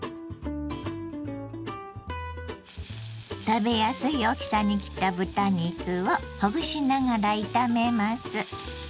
食べやすい大きさに切った豚肉をほぐしながら炒めます。